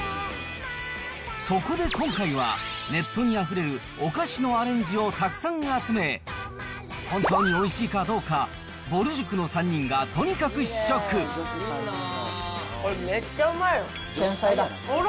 そこで今回は、ネットにあふれるおかしのアレンジをたくさん集め、本当においしいかどうか、これ、めっちゃうまいよ。